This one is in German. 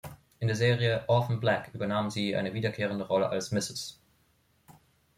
In der Serie "Orphan Black" übernahm sie eine wiederkehrende Rolle als Mrs.